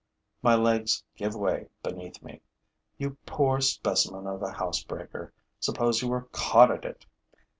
My legs give way beneath me. You poor specimen of a housebreaker, suppose you were caught at it!